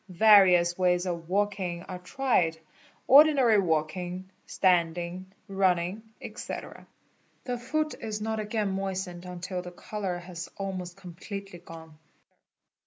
'Various ways of walking are tried, ordinary walking, standing, running, etc. The foot is not again moistened until the colour has almost com pletely gone.